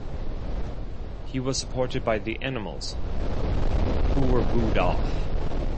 He was supported by the Animals, who were booed off.